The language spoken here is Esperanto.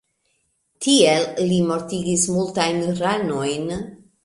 Tiel li mortigis multajn ranojn.